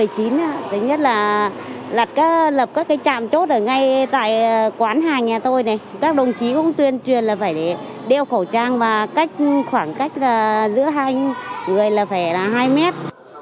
thứ nhất là lập các trạm chốt ở ngay tại quán hàng nhà tôi các đồng chí cũng tuyên truyền là phải đeo khẩu trang và khoảng cách giữa hai người là phải hai mét